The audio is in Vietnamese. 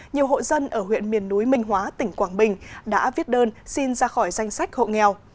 nhiều hộ dân ở huyện miền núi minh hóa tỉnh quảng bình đã viết đơn xin ra khỏi danh sách hộ nghèo